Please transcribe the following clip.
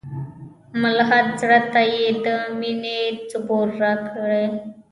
ملحد زړه ته یې د میني زبور راکړی